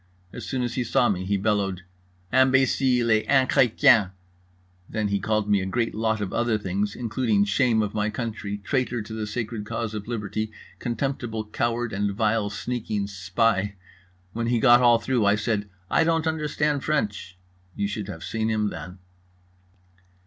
As soon as he saw me he bellowed: 'Imbécile et inchrétien!'; then he called me a great lot of other things, including Shame of my country, Traitor to the sacred cause of Liberty, Contemptible coward and Vile sneaking spy. When he got all through I said 'I don't understand French.' You should have seen him then."